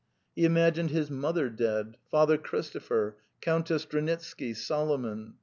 He imagined his mother dead, Father Christopher, Countess Dranitsky, Solomon.